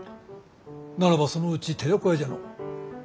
ならばそのうち寺子屋じゃのう。